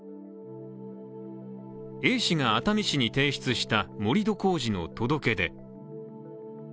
Ａ氏が熱海市に提出した盛り土工事の届け出。